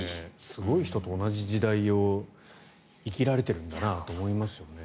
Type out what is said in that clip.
すごい人と同じ時代を生きられているんだなと思いますよね。